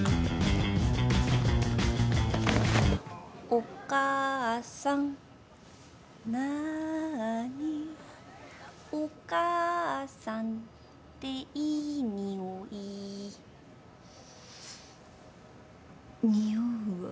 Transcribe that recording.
「おかあさん」「なあに」「おかあさんていいにおい」におうわ。